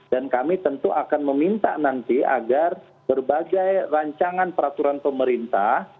dan kami tentu akan meminta nanti agar berbagai rancangan peraturan pemerintah